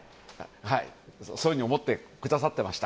そういうふうに思ってくださっていました？